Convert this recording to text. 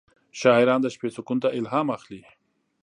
شاعران د شپې سکون ته الهام اخلي.